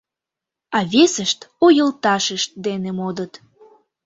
А весышт у йолташышт дене модыт.